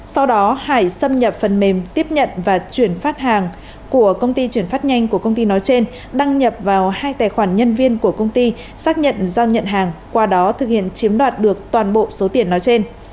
sau đó hải xâm nhập phần mềm tiếp nhận và chuyển phát hàng của công ty chuyển phát nhanh của công ty nói trên đăng nhập vào hai tài khoản nhân viên của công ty xác nhận giao nhận hàng qua đó thực hiện chiếm đoạt được toàn bộ số tiền nói trên